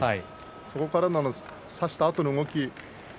そこから差したあとの動き